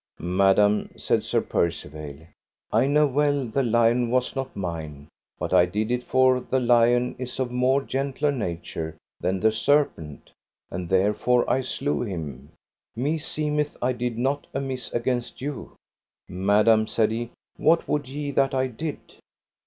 Madam, said Sir Percivale, I know well the lion was not mine, but I did it for the lion is of more gentler nature than the serpent, and therefore I slew him; meseemeth I did not amiss against you. Madam, said he, what would ye that I did?